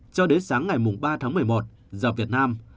cho đến sáng ngày ba tháng một mươi một giờ việt nam